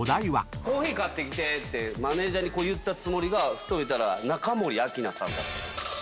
コーヒー買ってきてってマネジャーに言ったつもりがふと見たら中森明菜さんだったとき。